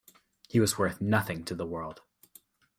He was worth nothing to the world.